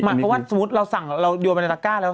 หมายความว่าสมมติเราสั่งเราอยู่บรรยากาศแล้ว